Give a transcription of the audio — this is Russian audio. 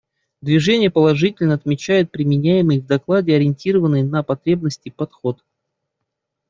Движение положительно отмечает применяемый в докладе ориентированный на потребности подход.